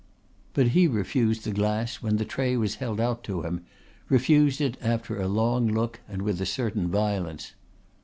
But he refused the glass when the tray was held out to him, refused it after a long look and with a certain violence.